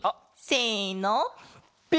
せの！